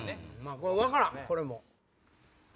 分からんこれも。